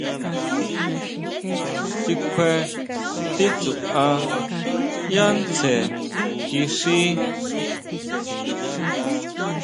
Chikjue titsuʼá yá tsjen kixí.